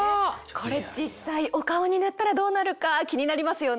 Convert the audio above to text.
これ実際お顔に塗ったらどうなるか気になりますよね。